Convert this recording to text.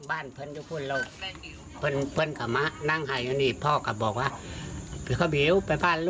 อ้าไปบ้านพาบอกมายวร้ายไปบ้าน